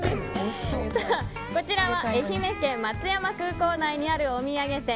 こちらは愛媛県松山空港内にあるお土産店